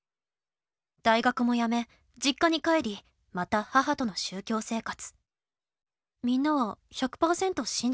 大学もやめ、実家に帰り、また母との宗教生活」。